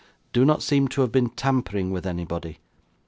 Do not seem to have been tampering with anybody.